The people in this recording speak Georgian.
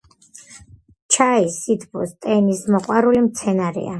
ჩაი სითბოს და ტენის მოყვარული მცენარეა.